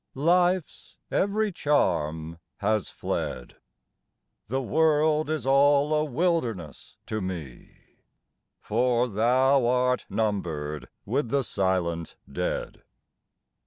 Life's every charm has fled, The world is all a wilderness to me; "For thou art numbered with the silent dead."